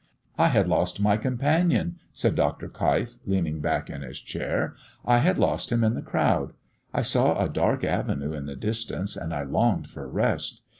"I had lost my companion," said Dr. Keif, leaning back in his chair; "I had lost him in the crowd. I saw a dark avenue in the distance, and I longed for rest.